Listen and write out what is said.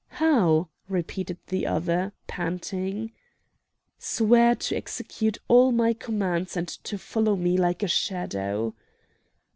"How?" repeated the other, panting. "Swear to execute all my commands and to follow me like a shadow!"